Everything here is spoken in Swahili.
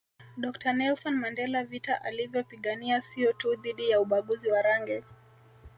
Dr Nelson Mandela vita alivyopigana sio tu dhidi ya ubaguzi wa rangi